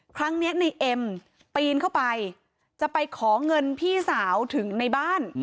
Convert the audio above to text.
ครั้งนี้ในเอ็มปีนเข้าไปจะไปขอเงินพี่สาวถึงในบ้าน